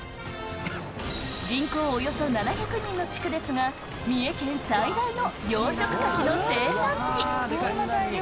人口およそ７００人の地区ですが、三重県最大の養殖カキの生産地。